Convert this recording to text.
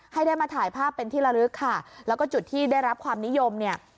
ให้ได้มาถ่ายภาพเป็นที่ละลึกค่ะแล้วก็จุดที่ได้รับความนิยมเนี่ย